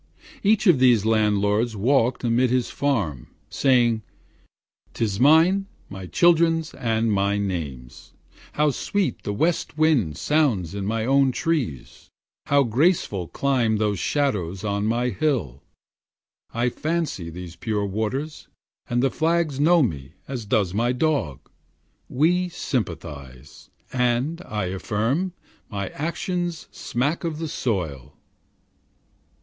Each of these landlords walked amidst his farm, Saying, ''Tis mine, my children's and my name's. How sweet the west wind sounds in my own trees! How graceful climb those shadows on my hill! I fancy these pure waters and the flags Know me, as does my dog: we sympathize; And, I affirm, my actions smack of the soil.'